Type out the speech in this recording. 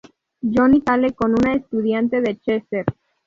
Jonny sale con una estudiante de Chester.